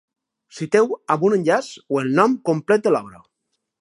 Citeu amb un enllaç o el nom complet de l'obra.